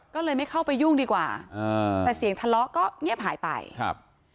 ก็เลยไม่เข้าไปยุ่งดีกว่าอ่าแต่เสียงทะเลาะก็เงียบหายไปครับ